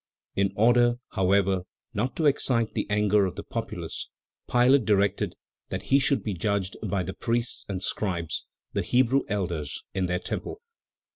In order, however, not to excite the anger of the populace, Pilate directed that he should be judged by the priests and scribes, the Hebrew elders, in their temple.